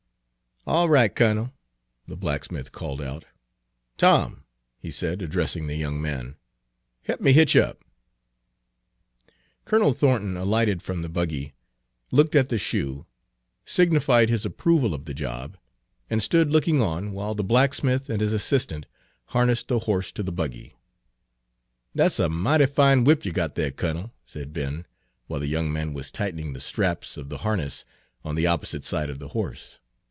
"All right, Kunnel," the blacksmith called out. "Tom," he said, addressing the young man, "he'p me hitch up." Page 292 Colonel Thornton alighted from the buggy, looked at the shoe, signified his approval of the job, and stood looking on while the blacksmith and his assistant harnessed the horse to the buggy. "Dat's a mighty fine whip yer got dere, Kunnel," said Ben, while the young man was tightening the straps of the harness on the opposite side of the horse.